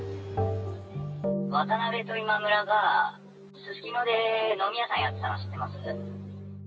渡辺と今村が、すすきので飲み屋さんやってたの知ってます。